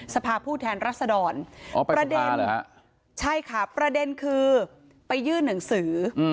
สภาพผู้แทนรัศดรประเด็นคือไปยื่นหนังสือ